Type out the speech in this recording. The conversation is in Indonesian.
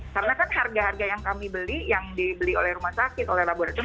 karena kan harga harga yang kami beli yang dibeli oleh rumah sakit oleh laboratorium